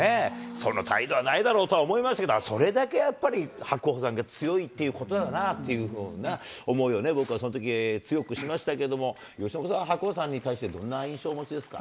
その態度はないだろうとは思いましたけど、それだけやっぱり、白鵬さんが強いということだなっていうふうな思いをね、僕はそのとき強くしましたけども、由伸さん、白鵬さんに対してどんな印象をお持ちですか。